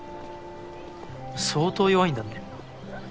相当弱いんだね。